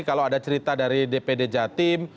kalau ada cerita dari dpd jatim